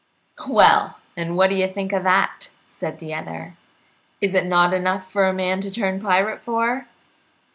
"Well, and what do you think of that?" said the other. "Is it not enough for a man to turn pirate for?